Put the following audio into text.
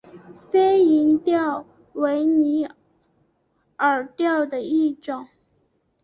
飞蝇钓为拟饵钓的一种。